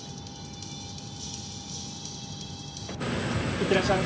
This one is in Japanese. いってらっしゃい。